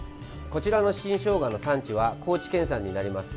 こちらの新ショウガの産地は高知県産になります。